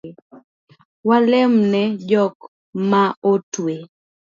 Walem ne jok maotwe